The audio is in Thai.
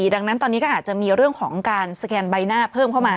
ดังนั้นตอนนี้ก็อาจจะมีเรื่องของการสแกนใบหน้าเพิ่มเข้ามา